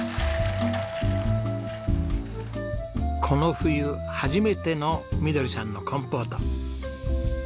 この冬初めてのみどりさんのコンポート。